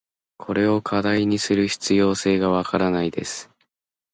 これを課題にする必要性が分からないです。